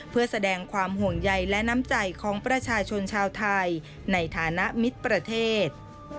เพื่อแสดงความห่วงใยและน้ำใจของประชาชนชาวไทยในฐานะมิตรประเทศ